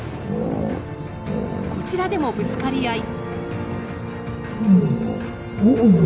こちらでもぶつかり合い。